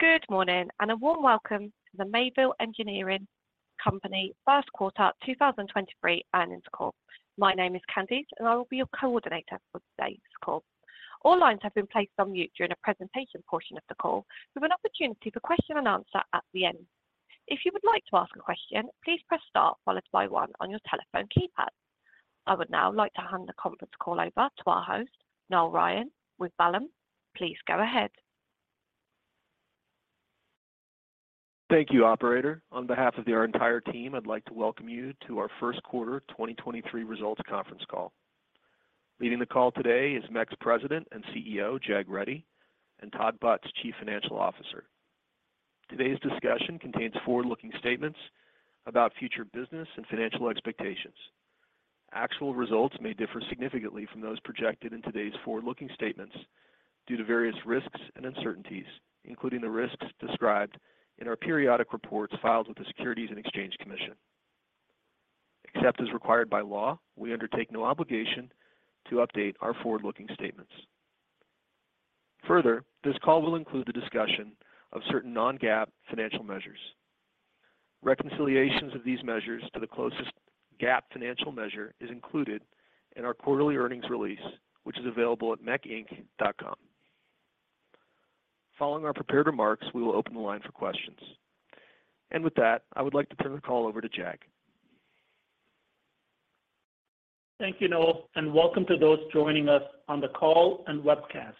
Good morning and a warm welcome to the Mayville Engineering Company 1st quarter 2023 earnings call. My name is Candice, and I will be your coordinator for today's call. All lines have been placed on mute during the presentation portion of the call with an opportunity for question-and-answer at the end. If you would like to ask a question, please press star followed by one on your telephone keypad. I would now like to hand the conference call over to our host, Noel Ryan with Vallum. Please go ahead. Thank you, operator. On behalf of our entire team, I'd like to welcome you to our first quarter 2023 results conference call. Leading the call today is MEC's President and CEO, Jag Reddy, and Todd Butz, Chief Financial Officer. Today's discussion contains forward-looking statements about future business and financial expectations. Actual results may differ significantly from those projected in today's forward-looking statements due to various risks and uncertainties, including the risks described in our periodic reports filed with the Securities and Exchange Commission. Except as required by law, we undertake no obligation to update our forward-looking statements. Further, this call will include the discussion of certain non-GAAP financial measures. Reconciliations of these measures to the closest GAAP financial measure is included in our quarterly earnings release, which is available at mecinc.com. Following our prepared remarks, we will open the line for questions. With that, I would like to turn the call over to Jag. Thank you, Noel. Welcome to those joining us on the call and webcast.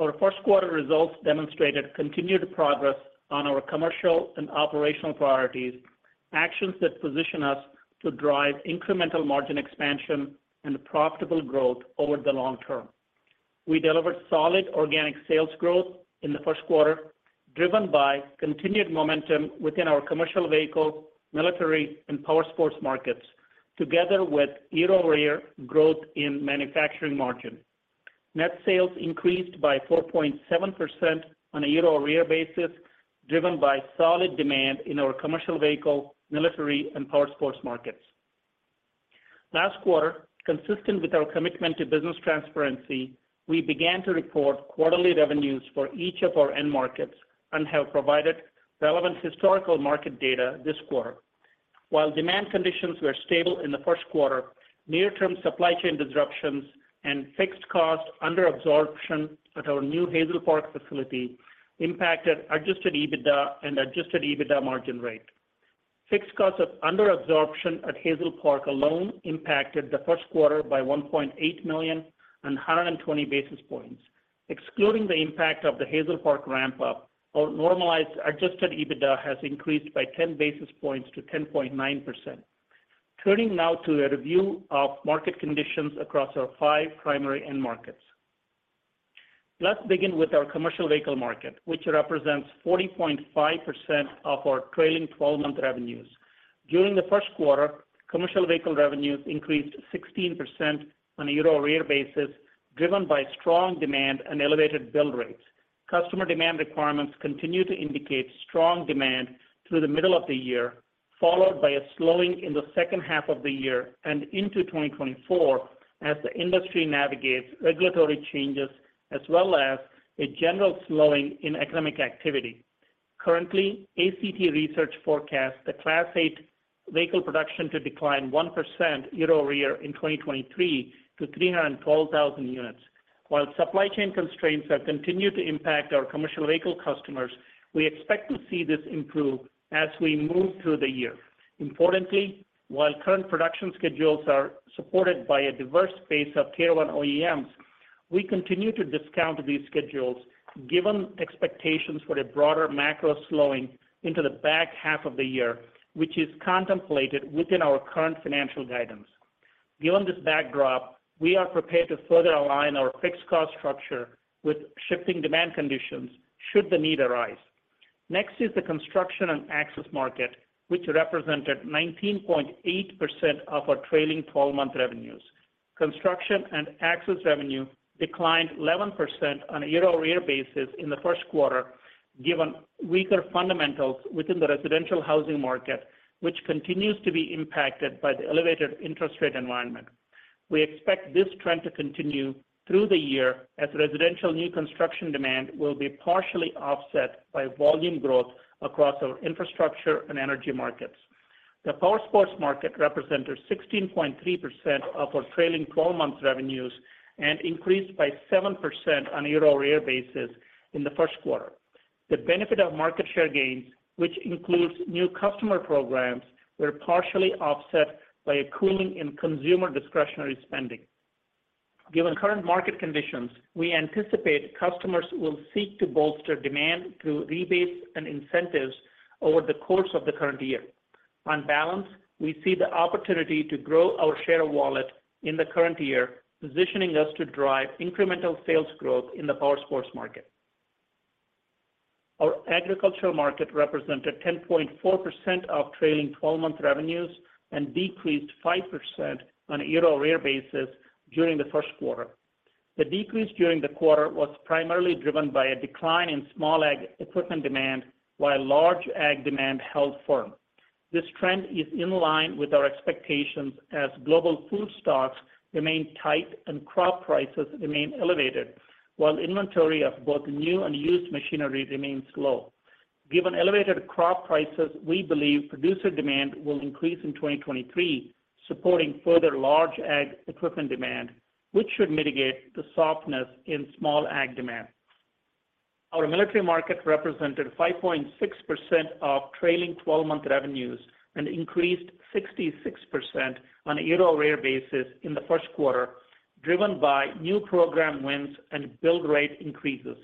Our first quarter results demonstrated continued progress on our commercial and operational priorities, actions that position us to drive incremental margin expansion and profitable growth over the long term. We delivered solid organic sales growth in the first quarter, driven by continued momentum within our commercial vehicle, military, and powersports markets, together with year-over-year growth in manufacturing margin. Net sales increased by 4.7% on a year-over-year basis, driven by solid demand in our commercial vehicle, military, and powersports markets. Last quarter, consistent with our commitment to business transparency, we began to report quarterly revenues for each of our end markets and have provided relevant historical market data this quarter. While demand conditions were stable in the first quarter, near-term supply chain disruptions and fixed cost under absorption at our new Hazel Park facility impacted adjusted EBITDA and adjusted EBITDA margin rate. Fixed cost of under absorption at Hazel Park alone impacted the first quarter by $1.8 million and 120 basis points. Excluding the impact of the Hazel Park ramp up, our normalized adjusted EBITDA has increased by 10 basis points to 10.9%. Turning now to a review of market conditions across our five primary end markets. Let's begin with our commercial vehicle market, which represents 40.5% of our trailing 12-month revenues. During the first quarter, commercial vehicle revenues increased 16% on a year-over-year basis, driven by strong demand and elevated build rates. Customer demand requirements continue to indicate strong demand through the middle of the year, followed by a slowing in the second half of the year and into 2024 as the industry navigates regulatory changes as well as a general slowing in economic activity. Currently, ACT Research forecasts the Class 8 vehicle production to decline 1% year-over-year in 2023 to 312,000 units. While supply chain constraints have continued to impact our commercial vehicle customers, we expect to see this improve as we move through the year. Importantly, while current production schedules are supported by a diverse base of Tier 1 OEMs, we continue to discount these schedules given expectations for the broader macro slowing into the back half of the year, which is contemplated within our current financial guidance. Given this backdrop, we are prepared to further align our fixed cost structure with shifting demand conditions should the need arise. Next is the construction and access market, which represented 19.8% of our trailing 12-month revenues. Construction and access revenue declined 11% on a year-over-year basis in the first quarter, given weaker fundamentals within the residential housing market, which continues to be impacted by the elevated interest rate environment. We expect this trend to continue through the year as residential new construction demand will be partially offset by volume growth across our infrastructure and energy markets. The powersports market represented 16.3% of our trailing 12-month revenues and increased by 7% on a year-over-year basis in the first quarter. The benefit of market share gains, which includes new customer programs, were partially offset by a cooling in consumer discretionary spending. Given current market conditions, we anticipate customers will seek to bolster demand through rebates and incentives over the course of the current year. On balance, we see the opportunity to grow our share of wallet in the current year, positioning us to drive incremental sales growth in the powersports market. Our agricultural market represented 10.4% of trailing 12-month revenues and decreased 5% on a year-over-year basis during the first quarter. The decrease during the quarter was primarily driven by a decline in small ag equipment demand while large ag demand held firm. This trend is in line with our expectations as global food stocks remain tight and crop prices remain elevated, while inventory of both new and used machinery remains low. Given elevated crop prices, we believe producer demand will increase in 2023, supporting further large ag equipment demand, which should mitigate the softness in small ag demand. Our military market represented 5.6% of trailing 12-month revenues and increased 66% on a year-over-year basis in the first quarter, driven by new program wins and build rate increases.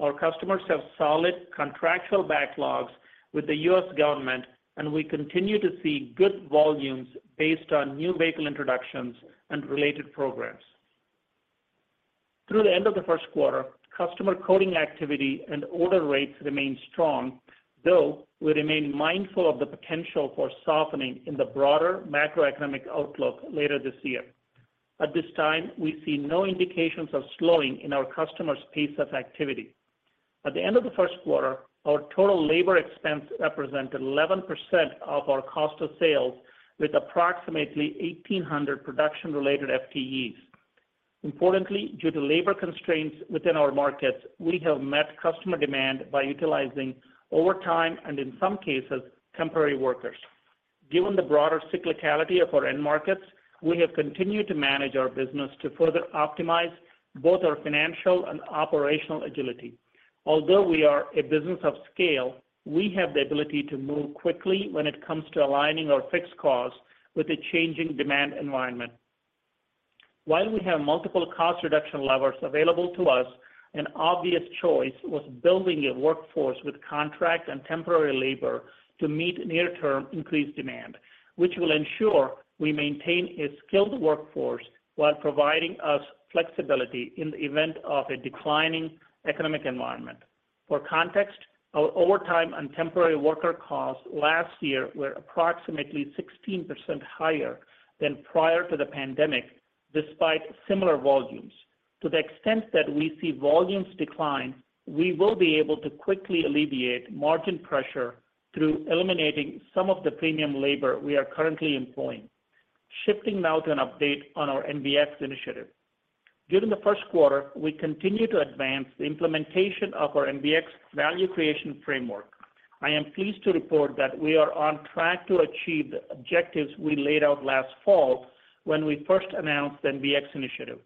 Our customers have solid contractual backlogs with the U.S. government, and we continue to see good volumes based on new vehicle introductions and related programs. Through the end of the first quarter, customer quoting activity and order rates remained strong, though we remain mindful of the potential for softening in the broader macroeconomic outlook later this year. At this time, we see no indications of slowing in our customers' pace of activity. At the end of the first quarter, our total labor expense represented 11% of our cost of sales, with approximately 1,800 production-related FTEs. Importantly, due to labor constraints within our markets, we have met customer demand by utilizing overtime and in some cases, temporary workers. Given the broader cyclicality of our end markets, we have continued to manage our business to further optimize both our financial and operational agility. Although we are a business of scale, we have the ability to move quickly when it comes to aligning our fixed costs with a changing demand environment. While we have multiple cost reduction levers available to us, an obvious choice was building a workforce with contract and temporary labor to meet near-term increased demand, which will ensure we maintain a skilled workforce while providing us flexibility in the event of a declining economic environment. For context, our overtime and temporary worker costs last year were approximately 16% higher than prior to the pandemic, despite similar volumes. To the extent that we see volumes decline, we will be able to quickly alleviate margin pressure through eliminating some of the premium labor we are currently employing. Shifting now to an update on our MBX initiative. During the first quarter, we continued to advance the implementation of our MBX value creation framework. I am pleased to report that we are on track to achieve the objectives we laid out last fall when we first announced the MBX initiative.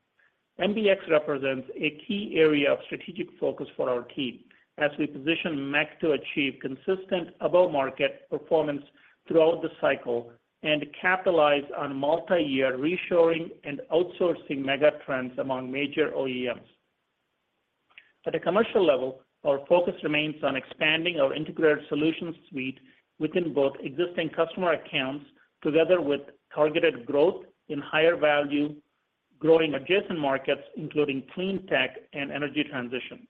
MBX represents a key area of strategic focus for our team as we position MEC to achieve consistent above-market performance throughout the cycle and capitalize on multi-year reshoring and outsourcing mega trends among major OEMs. At a commercial level, our focus remains on expanding our integrated solutions suite within both existing customer accounts together with targeted growth in higher value growing adjacent markets, including clean tech and energy transition.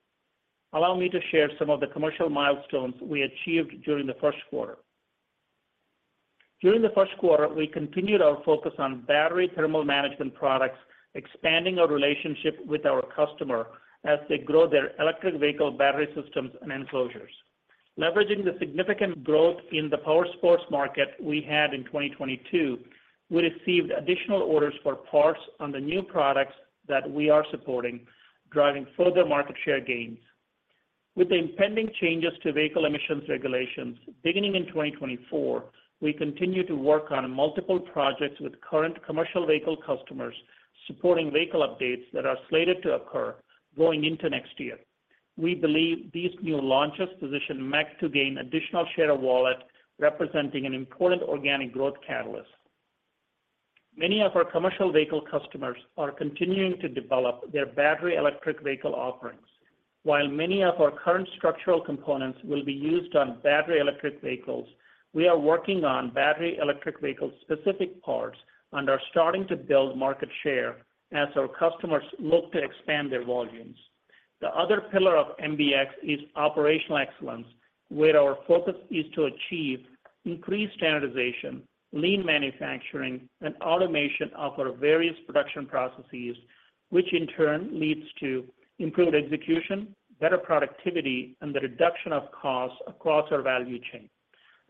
Allow me to share some of the commercial milestones we achieved during the first quarter. During the first quarter, we continued our focus on battery thermal management products, expanding our relationship with our customer as they grow their electric vehicle battery systems and enclosures. Leveraging the significant growth in the powersports market we had in 2022, we received additional orders for parts on the new products that we are supporting, driving further market share gains. With the impending changes to vehicle emissions regulations beginning in 2024, we continue to work on multiple projects with current commercial vehicle customers supporting vehicle updates that are slated to occur going into next year. We believe these new launches position MEC to gain additional share of wallet, representing an important organic growth catalyst. Many of our commercial vehicle customers are continuing to develop their battery electric vehicle offerings. While many of our current structural components will be used on battery electric vehicles, we are working on battery electric vehicle specific parts and are starting to build market share as our customers look to expand their volumes. The other pillar of MBX is operational excellence, where our focus is to achieve increased standardization, lean manufacturing, and automation of our various production processes, which in turn leads to improved execution, better productivity, and the reduction of costs across our value chain.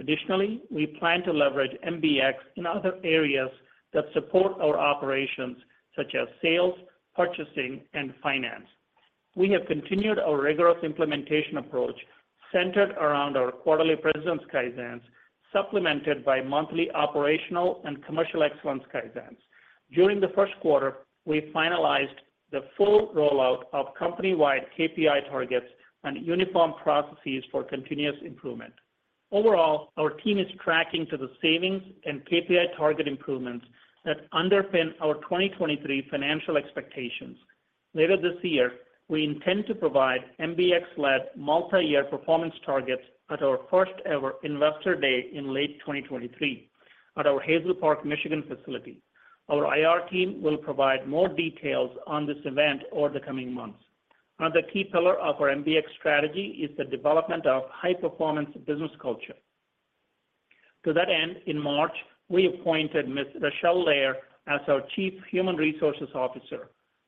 Additionally, we plan to leverage MBX in other areas that support our operations, such as sales, purchasing, and finance. We have continued our rigorous implementation approach centered around our quarterly President's Kaizens, supplemented by monthly operational and commercial excellence Kaizens. During the first quarter, we finalized the full rollout of company-wide KPI targets and uniform processes for continuous improvement. Overall, our team is tracking to the savings and KPI target improvements that underpin our 2023 financial expectations. Later this year, we intend to provide MBX-led multi-year performance targets at our first ever Investor Day in late 2023 at our Hazel Park, Michigan facility. Our IR team will provide more details on this event over the coming months. Another key pillar of our MBX strategy is the development of high performance business culture. To that end, in March, we appointed Ms. Rachele Lehr as our Chief Human Resources Officer.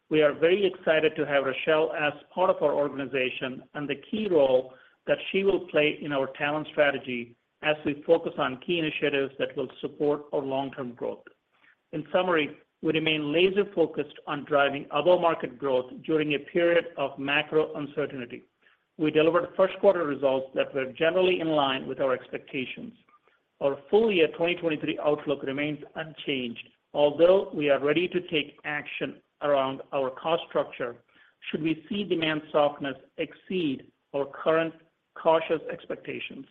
We are very excited to have Rachele as part of our organization and the key role that she will play in our talent strategy as we focus on key initiatives that will support our long-term growth. In summary, we remain laser-focused on driving above-market growth during a period of macro uncertainty. We delivered first quarter results that were generally in line with our expectations. Our full year 2023 outlook remains unchanged, although we are ready to take action around our cost structure should we see demand softness exceed our current cautious expectations.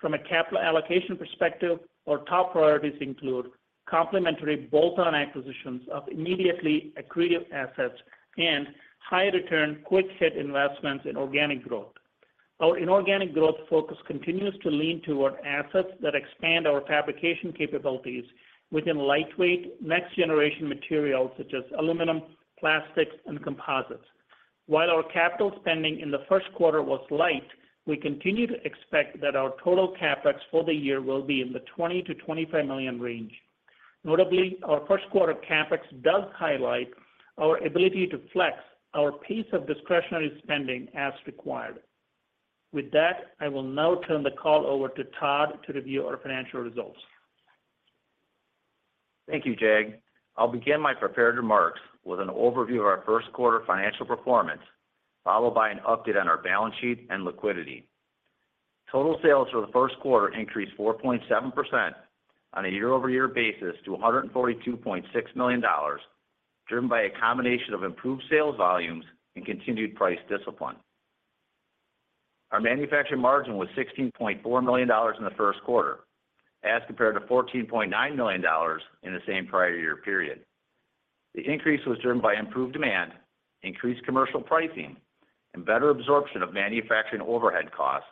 From a capital allocation perspective, our top priorities include complementary bolt-on acquisitions of immediately accretive assets and high return, quick hit investments in organic growth. Our inorganic growth focus continues to lean toward assets that expand our fabrication capabilities within lightweight next generation materials such as aluminum, plastics, and composites. While our capital spending in the first quarter was light, we continue to expect that our total CapEx for the year will be in the $20 million-$25 million range. Notably, our first quarter CapEx does highlight our ability to flex our pace of discretionary spending as required. With that, I will now turn the call over to Todd to review our financial results. Thank you, Jag. I'll begin my prepared remarks with an overview of our first quarter financial performance, followed by an update on our balance sheet and liquidity. Total sales for the first quarter increased 4.7% on a year-over-year basis to $142.6 million, driven by a combination of improved sales volumes and continued price discipline. Our manufacturing margin was $16.4 million in the first quarter as compared to $14.9 million in the same prior year period. The increase was driven by improved demand, increased commercial pricing, and better absorption of manufacturing overhead costs,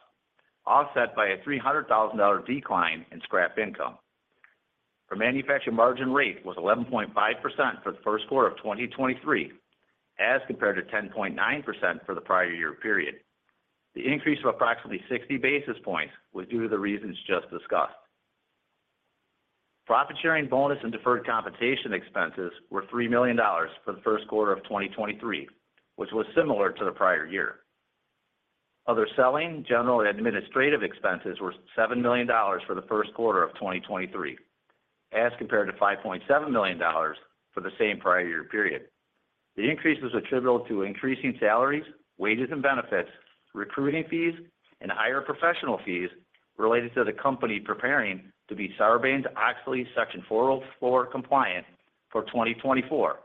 offset by a $300,000 decline in scrap income. Our manufacturing margin rate was 11.5% for the first quarter of 2023, as compared to 10.9% for the prior year period. The increase of approximately 60 basis points was due to the reasons just discussed. Profit sharing bonus and deferred compensation expenses were $3 million for the first quarter of 2023, which was similar to the prior year. Other selling, general, and administrative expenses were $7 million for the first quarter of 2023, as compared to $5.7 million for the same prior year period. The increases are attributable to increasing salaries, wages and benefits, recruiting fees, and higher professional fees related to the company preparing to be Sarbanes-Oxley Section 404 compliant for 2024,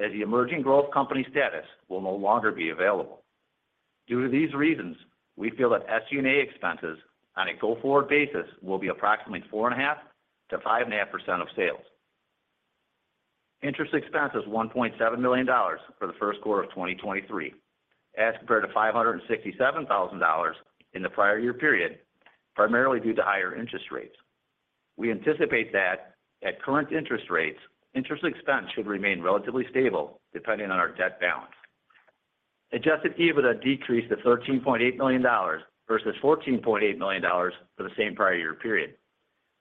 as the emerging growth company status will no longer be available. Due to these reasons, we feel that SG&A expenses on a go-forward basis will be approximately 4.5%-5.5% of sales. Interest expense was $1.7 million for the first quarter of 2023, as compared to $567,000 in the prior year period, primarily due to higher interest rates. We anticipate that at current interest rates, interest expense should remain relatively stable depending on our debt balance. Adjusted EBITDA decreased to $13.8 million versus $14.8 million for the same prior year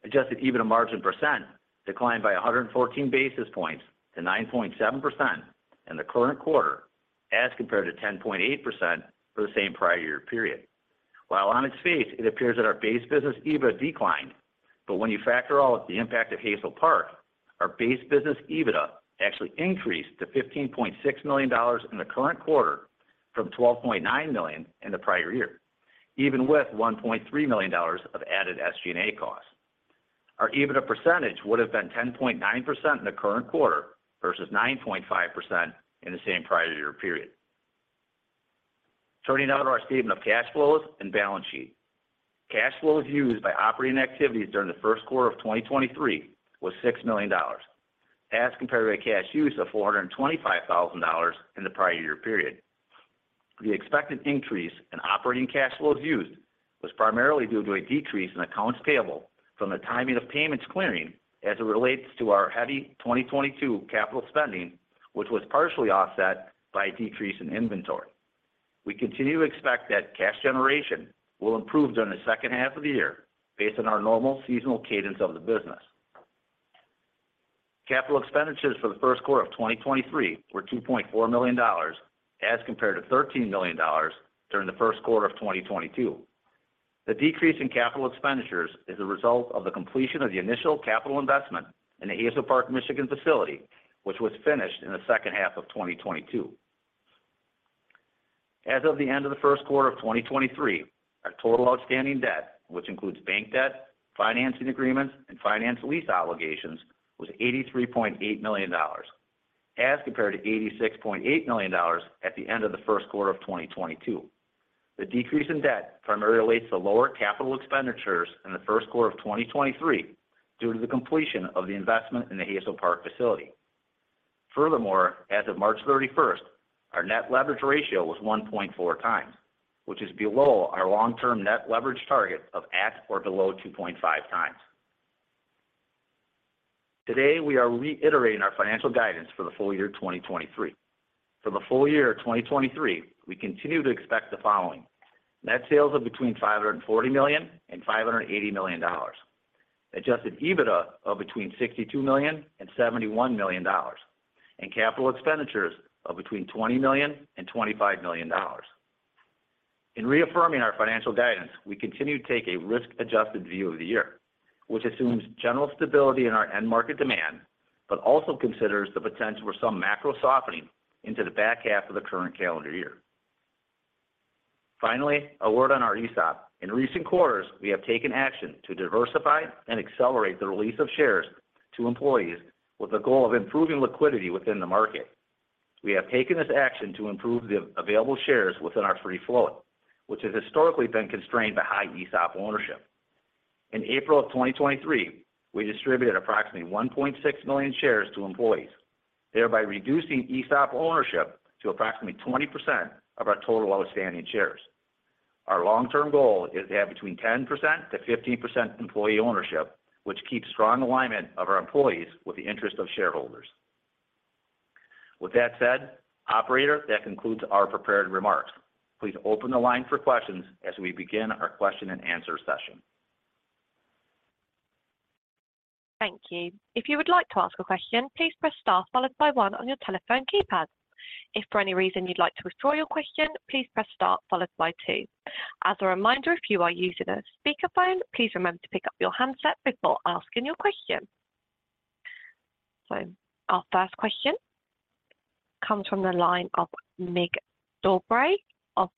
period. Adjusted EBITDA margin % declined by 114 basis points to 9.7% in the current quarter as compared to 10.8% for the same prior year period. While on its face it appears that our base business EBITDA declined, when you factor all of the impact of Hazel Park, our base business EBITDA actually increased to $15.6 million in the current quarter from $12.9 million in the prior year, even with $1.3 million of added SG&A costs. Our EBITDA percentage would have been 10.9% in the current quarter versus 9.5% in the same prior year period. Turning now to our statement of cash flows and balance sheet. Cash flows used by operating activities during the first quarter of 2023 was $6 million as compared to a cash use of $425,000 in the prior year period. The expected increase in operating cash flows used was primarily due to a decrease in accounts payable from the timing of payments clearing as it relates to our heavy 2022 capital spending, which was partially offset by a decrease in inventory. We continue to expect that cash generation will improve during the second half of the year based on our normal seasonal cadence of the business. Capital expenditures for the first quarter of 2023 were $2.4 million as compared to $13 million during the first quarter of 2022. The decrease in capital expenditures is a result of the completion of the initial capital investment in the Hazel Park, Michigan facility, which was finished in the second half of 2022. As of the end of the first quarter of 2023, our total outstanding debt, which includes bank debt, financing agreements, and finance lease obligations, was $83.8 million as compared to $86.8 million at the end of the first quarter of 2022. The decrease in debt primarily relates to lower CapEx in the first quarter of 2023 due to the completion of the investment in the Hazel Park facility. Furthermore, as of March 31st, our net leverage ratio was 1.4 times, which is below our long-term net leverage target of at or below 2.5 times. Today, we are reiterating our financial guidance for the full year 2023. For the full year 2023, we continue to expect the following. Net sales of between $540 million and $580 million. Adjusted EBITDA of between $62 million and $71 million, and capital expenditures of between $20 million and $25 million. In reaffirming our financial guidance, we continue to take a risk-adjusted view of the year, which assumes general stability in our end market demand, but also considers the potential for some macro softening into the back half of the current calendar year. Finally, a word on our ESOP. In recent quarters, we have taken action to diversify and accelerate the release of shares to employees with the goal of improving liquidity within the market. We have taken this action to improve the available shares within our free float, which has historically been constrained by high ESOP ownership. In April of 2023, we distributed approximately 1.6 million shares to employees, thereby reducing ESOP ownership to approximately 20% of our total outstanding shares. Our long-term goal is to have between 10%-15% employee ownership, which keeps strong alignment of our employees with the interest of shareholders. With that said, operator, that concludes our prepared remarks. Please open the line for questions as we begin our question and answer session. Thank you. If you would like to ask a question, please press star followed by one on your telephone keypad. If for any reason you'd like to withdraw your question, please press star followed by two. As a reminder, if you are using a speakerphone, please remember to pick up your handset before asking your question. Our first question comes from the line of Mig Dobre of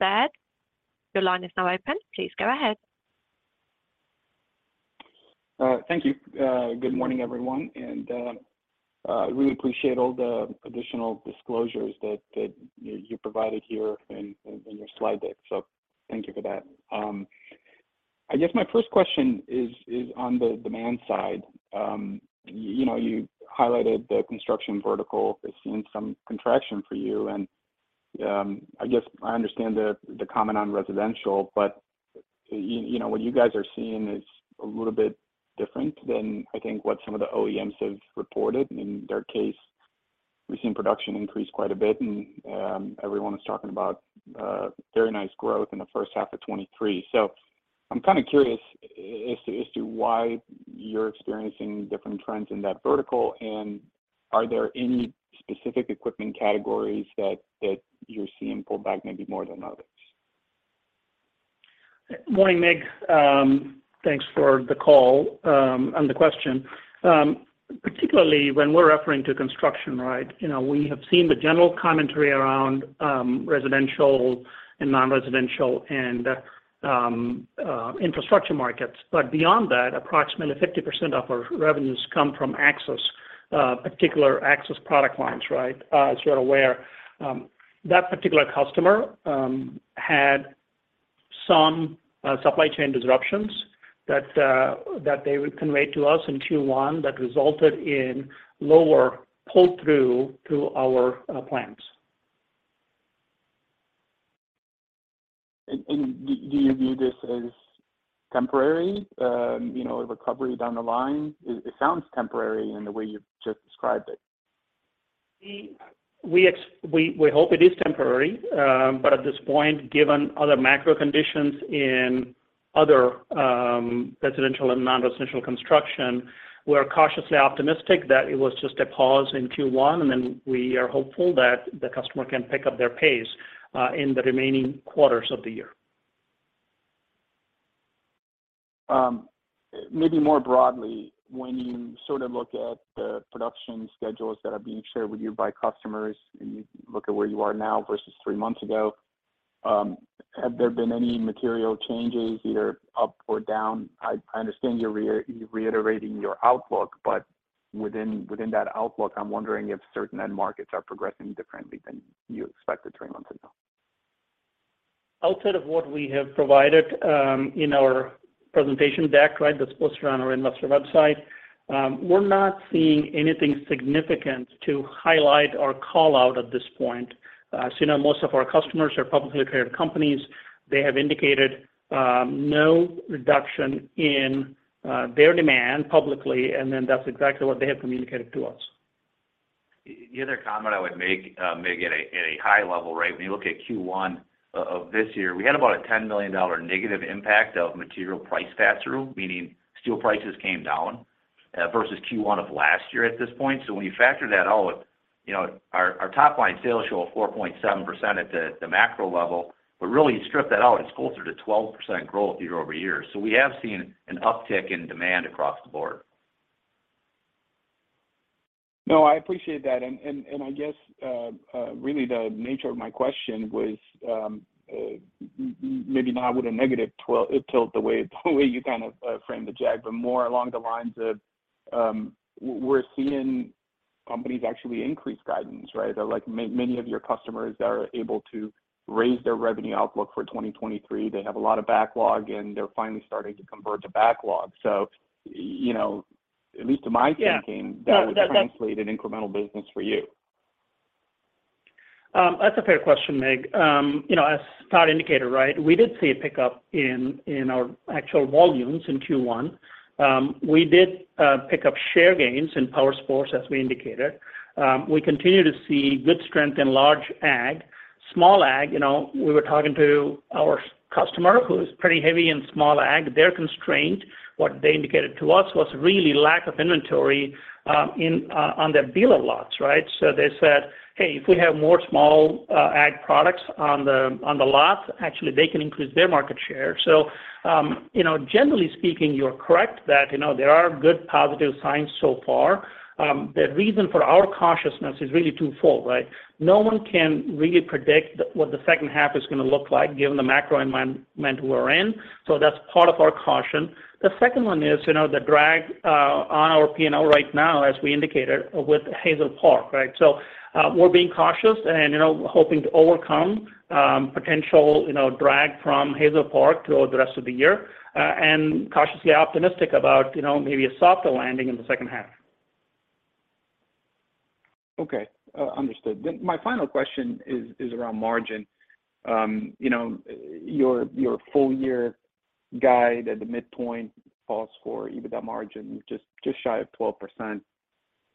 Baird. Your line is now open. Please go ahead. Thank you. Good morning, everyone. I really appreciate all the additional disclosures that you provided here in your slide deck. Thank you for that. I guess my first question is on the demand side. You know, you highlighted the construction vertical has seen some contraction for you. I guess I understand the comment on residential, but, you know, what you guys are seeing is a little bit different than I think what some of the OEMs have reported. In their case, we've seen production increase quite a bit, and everyone is talking about very nice growth in the first half of 2023. I'm kinda curious as to why you're experiencing different trends in that vertical, and are there any specific equipment categories that you're seeing pull back maybe more than others? Morning, Mig. Thanks for the call, and the question. Particularly when we're referring to construction, right? You know, we have seen the general commentary around residential and non-residential and infrastructure markets. Beyond that, approximately 50% of our revenues come from Access, particular Access product lines, right? As you're aware, that particular customer had some supply chain disruptions that they would convey to us in Q1 that resulted in lower pull-through to our plans. Do you view this as temporary, you know, a recovery down the line? It sounds temporary in the way you just described it. We hope it is temporary. At this point, given other macro conditions in other residential and non-residential construction, we're cautiously optimistic that it was just a pause in Q1, and then we are hopeful that the customer can pick up their pace in the remaining quarters of the year. Maybe more broadly, when you sort of look at the production schedules that are being shared with you by customers, and you look at where you are now versus three months ago, have there been any material changes either up or down? I understand you're re-reiterating your outlook, but within that outlook, I'm wondering if certain end markets are progressing differently than you expected three months ago. Outside of what we have provided, in our presentation deck, that's posted on our investor website, we're not seeing anything significant to highlight or call out at this point. You know, most of our customers are publicly traded companies. They have indicated no reduction in their demand publicly, and then that's exactly what they have communicated to us. The other comment I would make, Mig Dobre, at a high level, right? When you look at Q1 of this year, we had about a $10 million negative impact of material price pass-through, meaning steel prices came down versus Q1 of last year at this point. When you factor that out, you know, our top line sales show a 4.7% at the macro level, but really strip that out, it's closer to 12% growth year-over-year. We have seen an uptick in demand across the board. No, I appreciate that. I guess, really the nature of my question was, maybe not with a negative tilt the way you kind of, framed it, Jag, but more along the lines of, we're seeing companies actually increase guidance, right? They're like many of your customers are able to raise their revenue outlook for 2023. They have a lot of backlog, and they're finally starting to convert to backlog. You know, at least to my thinking- Yeah. That would translate an incremental business for you. That's a fair question, Mig. You know, as Todd indicated, right, we did see a pickup in our actual volumes in Q1. We did pick up share gains in powersports, as we indicated. We continue to see good strength in large ag. Small ag, you know, we were talking to our customer who is pretty heavy in small ag. Their constraint, what they indicated to us, was really lack of inventory, in, on their dealer lots, right? They said, "Hey, if we have more small ag products on the, on the lot," actually they can increase their market share. You know, generally speaking, you're correct that, you know, there are good positive signs so far. The reason for our cautiousness is really twofold, right? No one can really predict what the second half is gonna look like given the macro environment we're in. That's part of our caution. The second one is, you know, the drag on our P&L right now, as we indicated, with Hazel Park, right? We're being cautious and, you know, hoping to overcome potential, you know, drag from Hazel Park through the rest of the year, and cautiously optimistic about, you know, maybe a softer landing in the second half. Okay. Understood. My final question is around margin. You know, your full year guide at the midpoint falls for EBITDA margin just shy of 12%.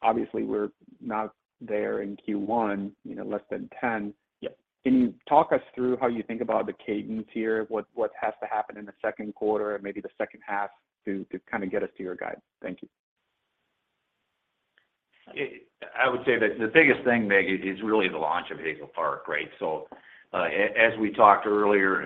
Obviously, we're not there in Q1, you know, less than 10. Yep. Can you talk us through how you think about the cadence here, what has to happen in the second quarter and maybe the second half to kind of get us to your guide? Thank you. I would say that the biggest thing, Mig, is really the launch of Hazel Park, right? As we talked earlier,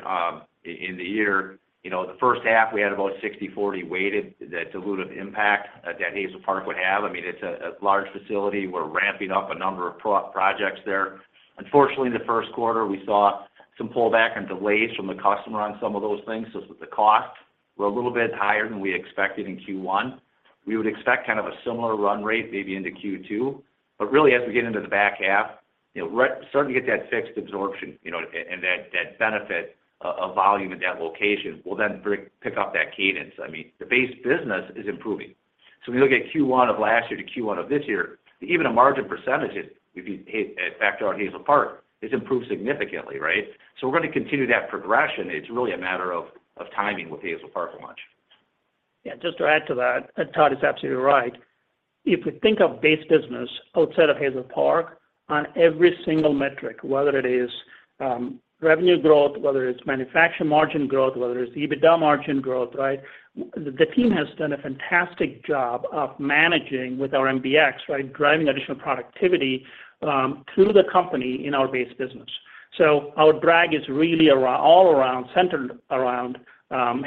in the year, you know, the first half we had about 60/40 weighted, the dilutive impact that Hazel Park would have. I mean, it's a large facility. We're ramping up a number of projects there. Unfortunately, in the first quarter, we saw some pullback and delays from the customer on some of those things. The costs were a little bit higher than we expected in Q1. We would expect kind of a similar run rate maybe into Q2. Really, as we get into the back half, you know, starting to get that fixed absorption, you know, and that benefit of volume at that location will then pick up that cadence. I mean, the base business is improving. When you look at Q1 of last year to Q1 of this year, even a margin percentage, if you factor out Hazel Park, has improved significantly, right? We're gonna continue that progression. It's really a matter of timing with Hazel Park launch. Just to add to that, Todd is absolutely right. If we think of base business outside of Hazel Park on every single metric, whether it is revenue growth, whether it's manufacturing margin growth, whether it's EBITDA margin growth, right? The team has done a fantastic job of managing with our MBX, right, driving additional productivity through the company in our base business. Our drag is really centered around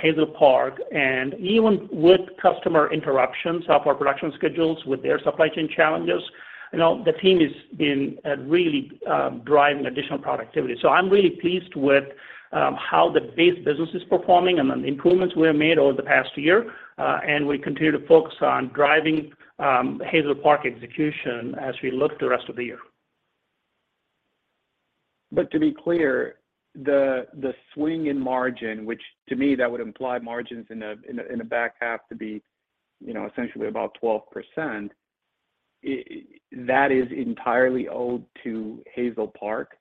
Hazel Park. Even with customer interruptions of our production schedules, with their supply chain challenges, you know, the team has been really driving additional productivity. I'm really pleased with how the base business is performing and the improvements we have made over the past year, and we continue to focus on driving Hazel Park execution as we look the rest of the year. To be clear, the swing in margin, which to me that would imply margins in a back half to be, you know, essentially about 12%, that is entirely owed to Hazel Park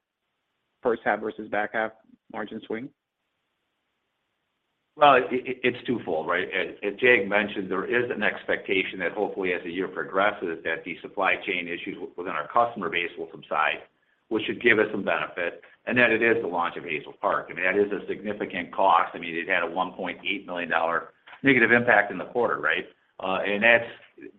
first half versus back half margin swing? It's twofold, right? As, as Jag mentioned, there is an expectation that hopefully as the year progresses, that the supply chain issues within our customer base will subside, which should give us some benefit, and that it is the launch of Hazel Park. I mean, that is a significant cost. I mean, it had a $1.8 million negative impact in the quarter, right? And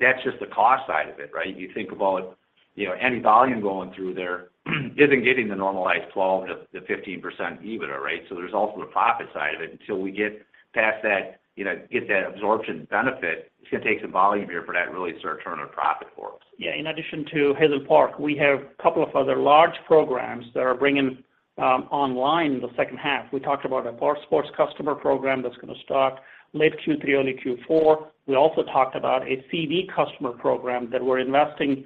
that's just the cost side of it, right? You think about, you know, any volume going through there isn't getting the normalized 12%-15% EBITDA, right? So there's also the profit side of it. Until we get past that, you know, get that absorption benefit, it's gonna take some volume here for that to really start turning a profit for us. Yeah. In addition to Hazel Park, we have a couple of other large programs that are bringing online in the second half. We talked about a motorsport customer program that's gonna start late Q3, early Q4. We also talked about a CV customer program that we're investing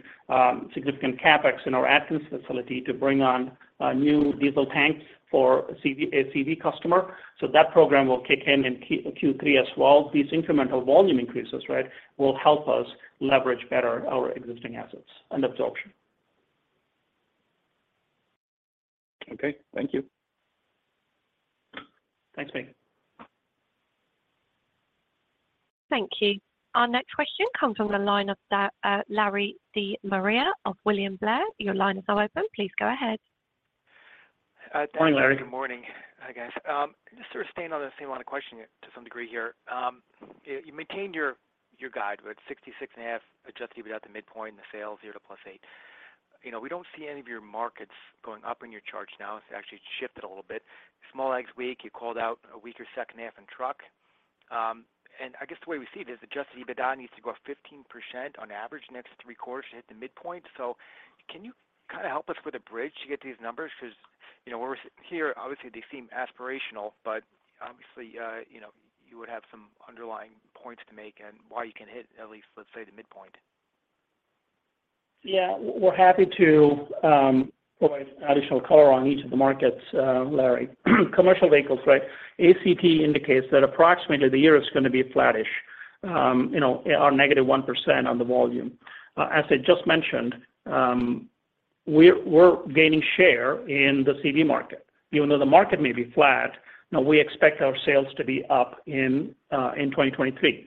significant CapEx in our Atkins facility to bring on new diesel tanks for a CV customer. That program will kick in Q3 as well. These incremental volume increases, right, will help us leverage better our existing assets and absorption. Okay. Thank you. Thanks, Mig. Thank you. Our next question comes from the line of Larry De Maria of William Blair. Your line is now open. Please go ahead. Hi, Larry. Thanks. Good morning, guys. Just sort of staying on the same line of questioning to some degree here. You maintained your guide with $66.5 adjusted EBITDA at the midpoint and the sales 0% to +8%. You know, we don't see any of your markets going up in your charts now. It's actually shifted a little bit. Small ag is weak. You called out a weaker second half in truck. I guess the way we see it is adjusted EBITDA needs to grow 15% on average next three quarters to hit the midpoint. Can you kind of help us with a bridge to get these numbers? Because, you know, when we're here, obviously they seem aspirational, but obviously, you know, you would have some underlying points to make and why you can hit at least, let's say, the midpoint. We're happy to provide additional color on each of the markets, Larry. Commercial vehicles, right? ACT indicates that approximately the year is gonna be flattish, you know, or negative 1% on the volume. As I just mentioned, we're gaining share in the CV market. Even though the market may be flat, you know, we expect our sales to be up in 2023,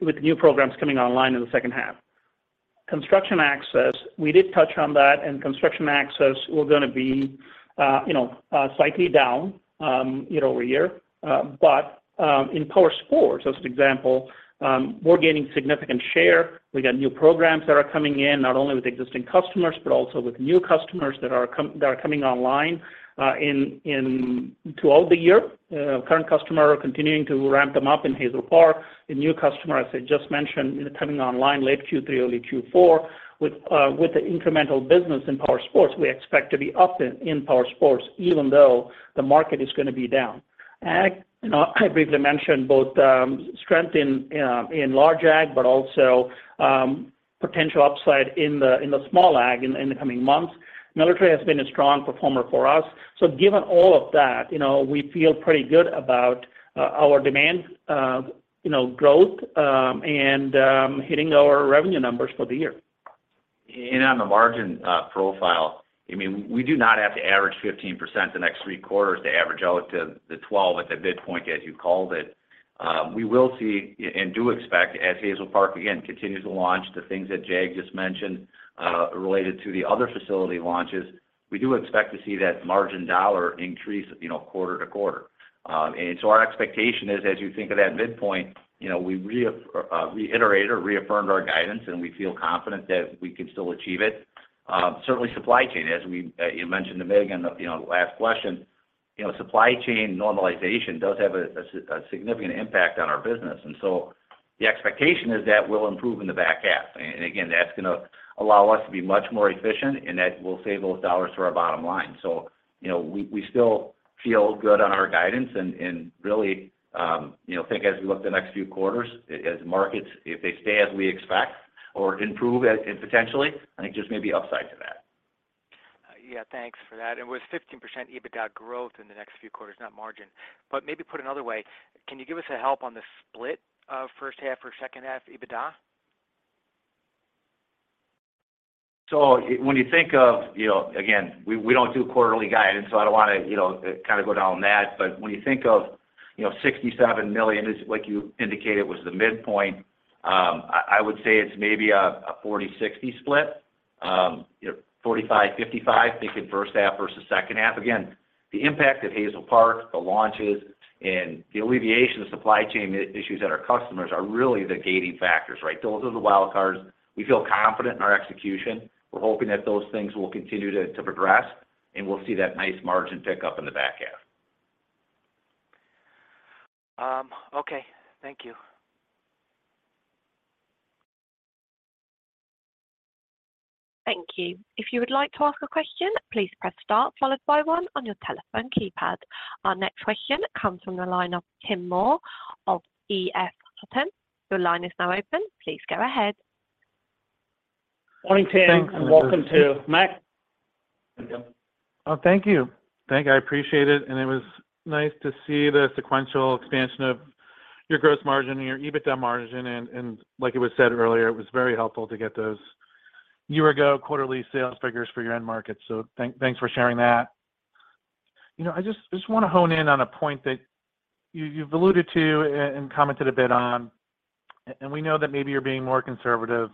with new programs coming online in the second half. Construction access, we did touch on that, construction access, we're gonna be, you know, slightly down year-over-year. In powersports, as an example, we're gaining significant share. We got new programs that are coming in, not only with existing customers, but also with new customers that are coming online, in throughout the year. Current customer are continuing to ramp them up in Hazel Park. The new customer, as I just mentioned, coming online late Q3, early Q4. With the incremental business in powersports, we expect to be up in powersports even though the market is gonna be down. Ag. You know, I briefly mentioned both strength in large ag, but also potential upside in the small ag in the coming months. Military has been a strong performer for us. Given all of that, you know, we feel pretty good about our demand, you know, growth, and hitting our revenue numbers for the year. On the margin, I mean, we do not have to average 15% the next three quarters to average out to the 12 at the midpoint, as you called it. We will see and do expect as Hazel Park, again, continues to launch the things that Jag just mentioned, related to the other facility launches, we do expect to see that margin dollar increase, you know, quarter-to-quarter. Our expectation is as you think of that midpoint, you know, we reiterate or reaffirm our guidance, and we feel confident that we can still achieve it. Certainly supply chain, as we, you mentioned to Megan, you know, last question, you know, supply chain normalization does have a significant impact on our business. The expectation is that we'll improve in the back half. Again, that's gonna allow us to be much more efficient, and that will save those dollars to our bottom line. You know, we still feel good on our guidance and really, you know, think as we look the next few quarters, as markets, if they stay as we expect or improve potentially, I think just maybe upside to that. Yeah. Thanks for that. It was 15% EBITDA growth in the next few quarters, not margin. Maybe put another way, can you give us a help on the split of first half or second half EBITDA? When you think of, you know, again, we don't do quarterly guidance, so I don't wanna, you know, kinda go down that. When you think of, you know, $67 million is like you indicated was the midpoint, I would say it's maybe a 40/60 split, you know, 45/55, thinking first half versus second half. The impact at Hazel Park, the launches and the alleviation of supply chain issues at our customers are really the gating factors, right? Those are the wild cards. We feel confident in our execution. We're hoping that those things will continue to progress, and we'll see that nice margin pickup in the back half. Okay. Thank you. Thank you. If you would like to ask a question, please press star followed by one on your telephone keypad. Our next question comes from the line of Tim Moore of EF Hutton. Your line is now open. Please go ahead. Morning, Tim, and welcome to MEC. Thank you. Oh, thank you. Thank you. I appreciate it. It was nice to see the sequential expansion of your gross margin and your EBITDA margin. Like it was said earlier, it was very helpful to get those year ago quarterly sales figures for your end markets. Thanks for sharing that. You know, I just wanna hone in on a point that you've alluded and commented a bit on, and we know that maybe you're being more conservative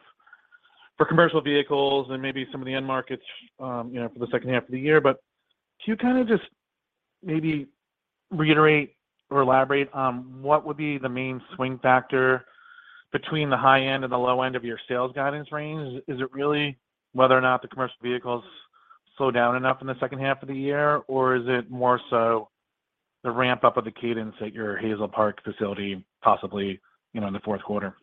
for commercial vehicles and maybe some of the end markets, you know, for the second half of the year. Can you kinda just maybe reiterate or elaborate on what would be the main swing factor between the high end and the low end of your sales guidance range? Is it really whether or not the commercial vehicles slow down enough in the second half of the year, or is it more so the ramp up of the cadence at your Hazel Park facility, possibly, you know, in the fourth quarter?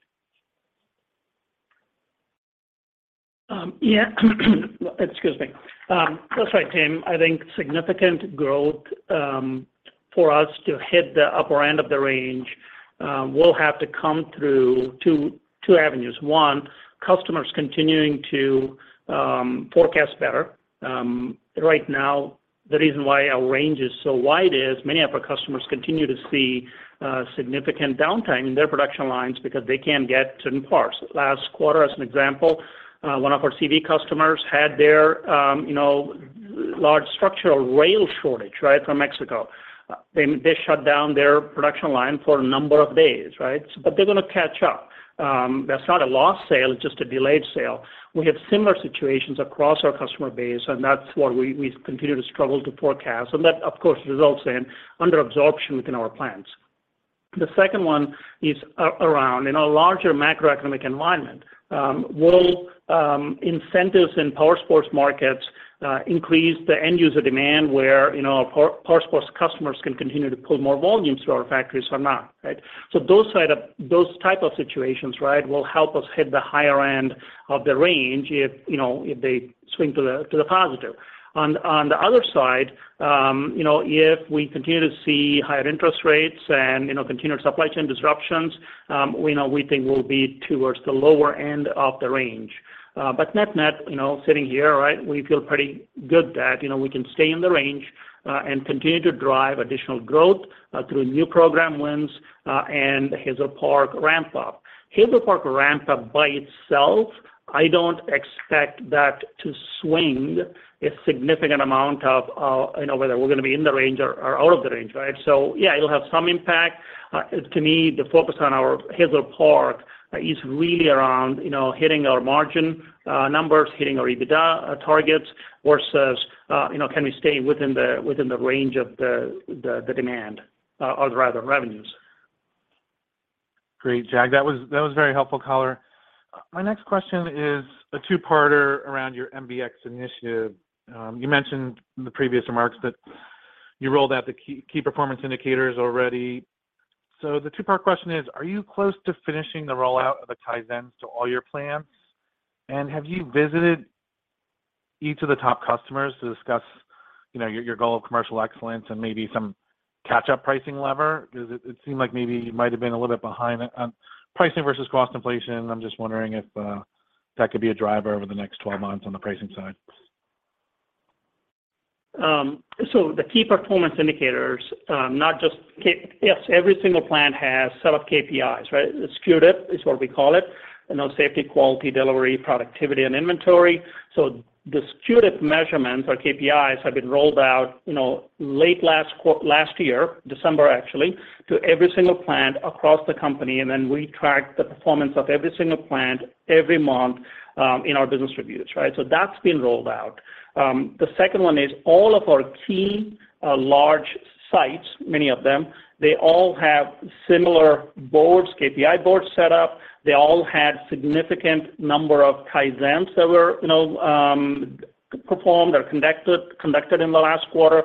Excuse me. That's right, Tim. I think significant growth for us to hit the upper end of the range will have to come through two avenues. One, customers continuing to forecast better. Right now, the reason why our range is so wide is many of our customers continue to see significant downtime in their production lines because they can't get certain parts. Last quarter, as an example, one of our CV customers had their, you know, large structural rail shortage right from Mexico. They shut down their production line for a number of days, right? They're gonna catch up. That's not a lost sale, it's just a delayed sale. We have similar situations across our customer base, and that's why we continue to struggle to forecast. That, of course, results in under absorption within our plants. The second one is around in a larger macroeconomic environment. Will incentives in powersports markets increase the end user demand where, you know, powersports customers can continue to pull more volume through our factories or not, right? Those type of situations, right, will help us hit the higher end of the range if, you know, if they swing to the positive. On the other side, you know, if we continue to see higher interest rates and, you know, continued supply chain disruptions, we think we'll be towards the lower end of the range. Net-net, you know, sitting here, right, we feel pretty good that, you know, we can stay in the range and continue to drive additional growth through new program wins and Hazel Park ramp up. Hazel Park ramp up by itself, I don't expect that to swing a significant amount of, you know, whether we're gonna be in the range or out of the range, right? Yeah, it'll have some impact. To me, the focus on our Hazel Park is really around, you know, hitting our margin numbers, hitting our EBITDA targets versus, you know, can we stay within the within the range of the demand or rather revenues. Great, Jag. That was very helpful color. My next question is a two-parter around your MBX initiative. You mentioned in the previous remarks that you rolled out the key performance indicators already. The two-part question is, are you close to finishing the rollout of a Kaizen to all your plants? Have you visited each of the top customers to discuss, you know, your goal of commercial excellence and maybe some catch-up pricing lever? It seemed like maybe you might have been a little bit behind on pricing versus cost inflation. I'm just wondering if that could be a driver over the next 12 months on the pricing side. The Key Performance Indicators, not just Yes, every single plant has set up KPIs, right? skewed is what we call it. You know, safety, quality, delivery, productivity, and inventory. The disputed measurements or KPIs have been rolled out, you know, late last year, December actually, to every single plant across the company, and then we track the performance of every single plant every month in our business reviews, right? That's been rolled out. The second one is all of our key, large sites, many of them, they all have similar boards, KPI boards set up. They all had significant number of Kaizens that were, you know, performed or conducted in the last quarter.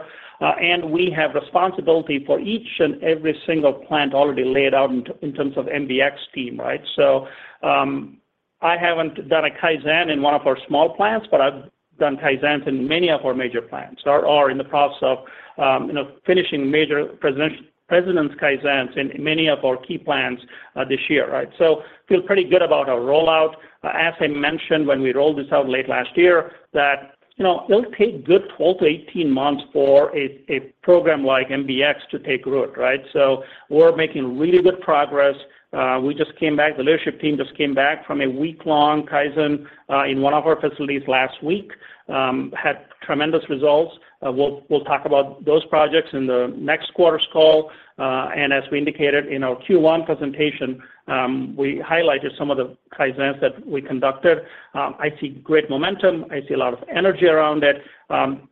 We have responsibility for each and every single plant already laid out in terms of MBX team, right? I haven't done a Kaizen in one of our small plants, but I've done Kaizens in many of our major plants or in the process of, you know, finishing major president's Kaizens in many of our key plants this year, right? Feel pretty good about our rollout. As I mentioned when we rolled this out late last year, that, you know, it'll take a good 12-18 months for a program like MBX to take root, right? We're making really good progress. The leadership team just came back from a week-long Kaizen in one of our facilities last week. Had tremendous results. We'll talk about those projects in the next quarter's call. As we indicated in our Q1 presentation, we highlighted some of the Kaizens that we conducted. I see great momentum. I see a lot of energy around it.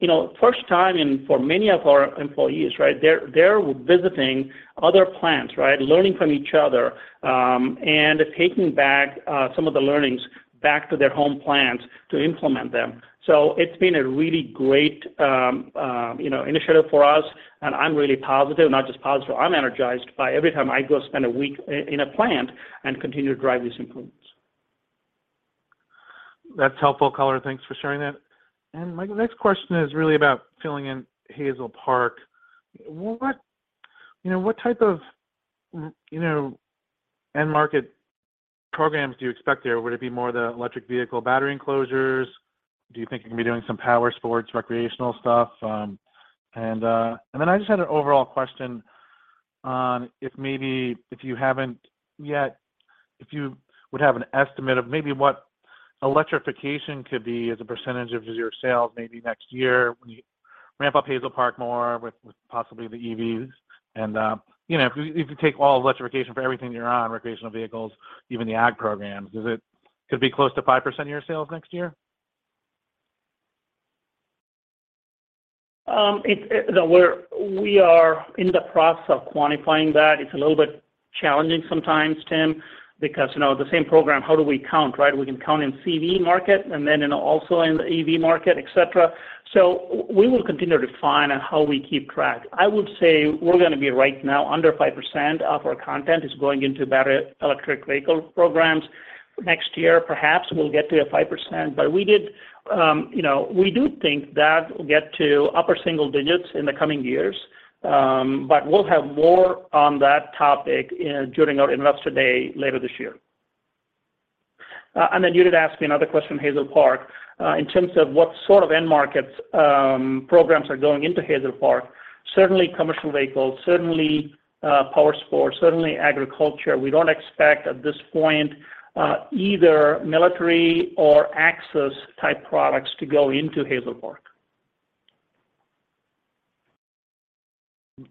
You know, first time and for many of our employees, right, they're visiting other plants, right? Learning from each other, and taking back some of the learnings back to their home plants to implement them. It's been a really great, you know, initiative for us, and I'm really positive. Not just positive, I'm energized by every time I go spend one week in a plant and continue to drive these improvements. That's helpful color. Thanks for sharing that. My next question is really about filling in Hazel Park. What, you know, what type of, you know, end market programs do you expect there? Would it be more the electric vehicle battery enclosures? Do you think you can be doing some power sports, recreational stuff? Then I just had an overall question on if maybe if you haven't yet, if you would have an estimate of maybe what electrification could be as a % of your sales maybe next year when you ramp up Hazel Park more with possibly the EVs. You know, if you, if you take all electrification for everything you're on, recreational vehicles, even the ag programs, could it be close to 5% of your sales next year? No, we are in the process of quantifying that. It's a little bit challenging sometimes, Tim, because, you know, the same program, how do we count, right? We can count in CV market and then in also in the EV market, et cetera. We will continue to define on how we keep track. I would say we're gonna be right now under 5% of our content is going into battery electric vehicle programs. Next year, perhaps we'll get to a 5%. We did, you know, we do think that we'll get to upper single digits in the coming years. We'll have more on that topic during our Investor Day later this year. You did ask me another question, Hazel Park. In terms of what sort of end markets, programs are going into Hazel Park. Certainly commercial vehicles, certainly power sports, certainly agriculture. We don't expect at this point, either military or Axis type products to go into Hazel Park.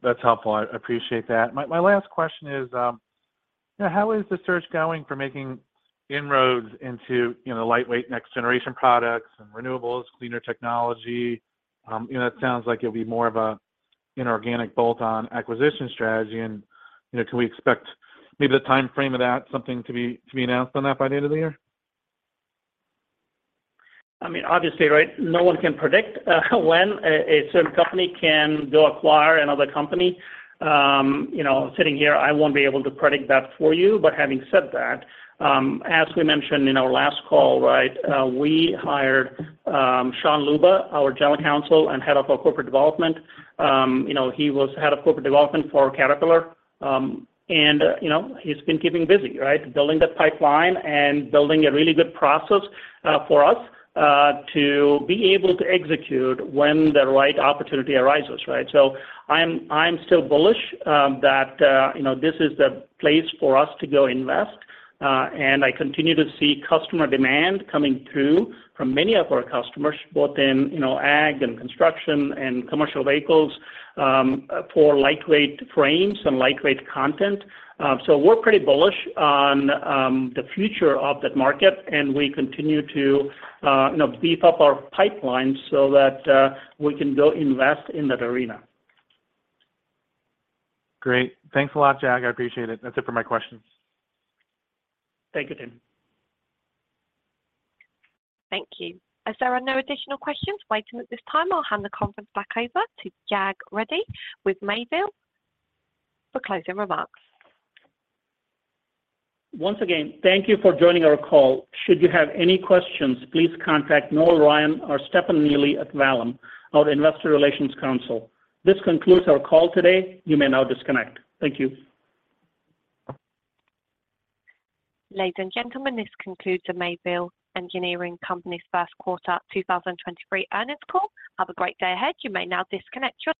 That's helpful. I appreciate that. My last question is, how is the search going for making inroads into, you know, lightweight next generation products and renewables, cleaner technology? You know, it sounds like it'll be more of a, you know, organic bolt-on acquisition strategy and, you know, can we expect maybe the timeframe of that, something to be announced on that by the end of the year? I mean, obviously, right, no one can predict when a certain company can go acquire another company. you know, sitting here, I won't be able to predict that for you. Having said that, as we mentioned in our last call, right, we hired Sean Leuba, our General Counsel and Head of Corporate Development. you know, he was Head of Corporate Development for Caterpillar. and, you know, he's been keeping busy, right? Building that pipeline and building a really good process for us to be able to execute when the right opportunity arises, right? I'm still bullish that, you know, this is the place for us to go invest. I continue to see customer demand coming through from many of our customers, both in, you know, ag and construction and commercial vehicles, for lightweight frames and lightweight content. We're pretty bullish on the future of that market, and we continue to, you know, beef up our pipeline so that we can go invest in that arena. Great. Thanks a lot, Jag. I appreciate it. That's it for my questions. Thank you, Tim. Thank you. As there are no additional questions waiting at this time, I'll hand the conference back over to Jag Reddy with Mayville for closing remarks. Once again, thank you for joining our call. Should you have any questions, please contact Noel Ryan or Stefan Neely at Vallum, our Investor Relations Council. This concludes our call today. You may now disconnect. Thank you. Ladies and gentlemen, this concludes the Mayville Engineering Company's first quarter 2023 earnings call. Have a great day ahead. You may now disconnect your lines.